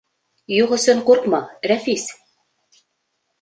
— Юҡ өсөн ҡурҡма, Рәфис...